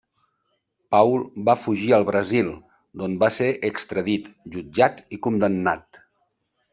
Paul va fugir al Brasil, d'on va ser extradit, jutjat i condemnat.